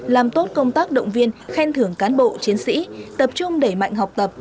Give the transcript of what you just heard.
làm tốt công tác động viên khen thưởng cán bộ chiến sĩ tập trung đẩy mạnh học tập